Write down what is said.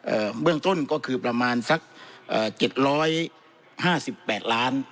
เบื้องต้นก็คือประมาณสักเอ่อเจ็ดร้อยห้าสิบแปดล้าน